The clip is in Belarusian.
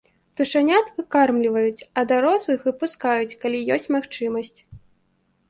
Птушанят выкармліваюць, а дарослых выпускаюць, калі ёсць магчымасць.